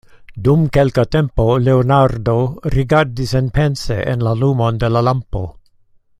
Dum kelka tempo Leonardo rigardis enpense en la lumon de la lampo.